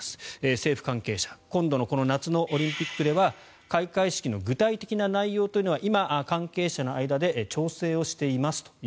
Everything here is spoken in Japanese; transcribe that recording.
政府関係者今度の夏のオリンピックでは開会式の具体的な内容というのは今、関係者の間で調整をしていますと。